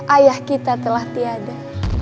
ayah kita telah tiada